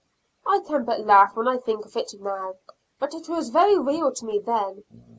I can but laugh when I think of it now, but it was very real to me then.